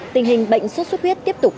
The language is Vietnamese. tình hình bệnh suốt suốt huyết tiếp tục